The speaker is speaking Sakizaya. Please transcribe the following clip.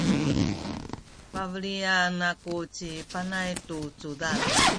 pabelian aku ci Panay tu cudad.